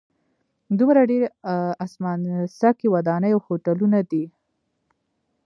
دومره ډېرې اسمانڅکي ودانۍ او هوټلونه دي.